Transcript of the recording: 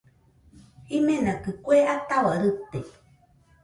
Jimenakɨ kue ataua rite